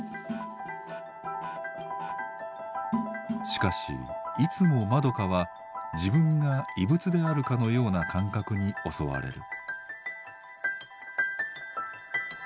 しかしいつもまどかは自分が異物であるかのような感覚に襲われる。